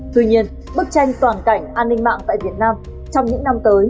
tuy nhiên bức tranh toàn cảnh an ninh mạng tại việt nam trong những năm tới